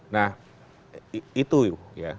nah itu ya